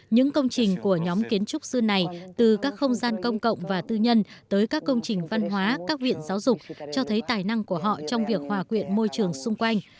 những công trình của nhóm kiến trúc sư này từ các không gian công cộng và tư nhân tới các công trình văn hóa các viện giáo dục cho thấy tài năng của họ trong việc hòa quyện môi trường xung quanh